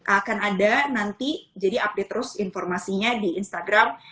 akan ada nanti jadi update terus informasinya di instagram